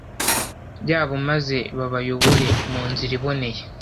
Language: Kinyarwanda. yabo maze babayobore mu nzira iboneye